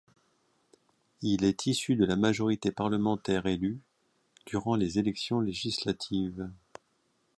Il est issue de la majorité parlementaire élue durant les élections législatives.